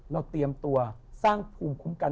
เตรียมตัวสร้างภูมิคุ้มกัน